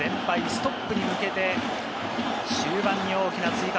ストップに向けて、終盤に大きな追加